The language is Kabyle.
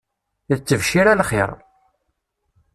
D ttebcira l-lxiṛ.